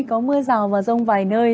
có mưa rào và rông vài nơi